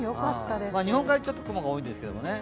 日本海側はちょっと雲が多いんですけどね。